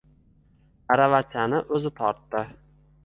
Aravachani o‘zi tortdi.